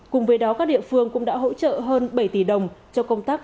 cùng với đó các địa phương cũng đã hỗ trợ hơn bảy tỷ đồng cho công tác